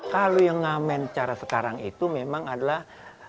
kalau yang ngamen cara sekarang itu memang adalah